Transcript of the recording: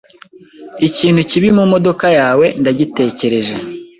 Ikintu kibi mumodoka yawe ndagitekereje .